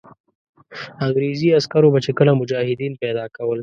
انګرېزي عسکرو به چې کله مجاهدین پیدا کول.